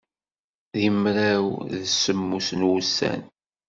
Di mraw d semmus n wussan.